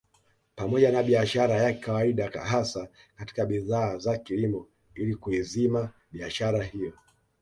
Pamoja na biashara ya kawaida hasa katika bidhaa za kilimo ili kuizima biashara hiyo